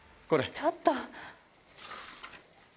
ちょっと！